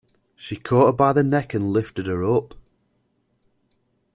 She caught her by the neck and lifted her up.